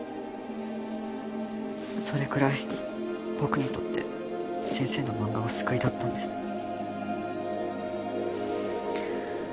それくらい僕にとって先生の漫画は救いだったんです。